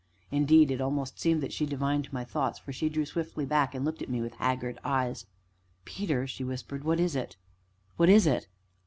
Indeed, it almost seemed that she divined my thought, for she drew swiftly back, and looked up at me with haggard eyes. "Peter?" she whispered, "what is it what is it?"